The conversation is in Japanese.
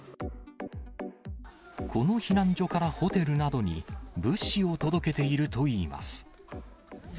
この避難所からホテルなどに物資を届けているといいます。